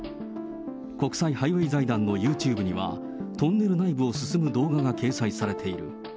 国際ハイウェイ財団のユーチューブには、トンネル内部を進む動画が掲載されている。